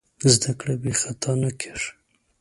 زدهکړه بېخطا نه کېږي.